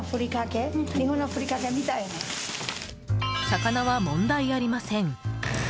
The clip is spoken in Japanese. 魚は問題ありません。